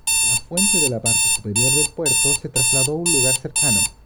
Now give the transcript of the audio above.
La fuente de la parte superior del puerto se trasladó a un lugar cercano.